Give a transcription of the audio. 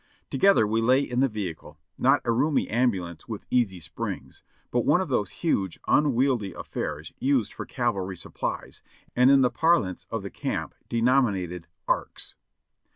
Together we lay in the vehicle, not a roomy ambulance with easy springs, but one of those huge, unwieldy affairs used for cavalry supplies, and in the parlance of the camp denominated "arks.''